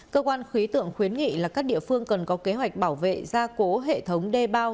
cơ quan khí tượng khuyến nghị là các địa phương cần có kế hoạch bảo vệ gia cố hệ thống đê bao